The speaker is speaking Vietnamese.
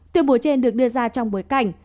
tuyên bố trên được đưa ra trong bối cảnh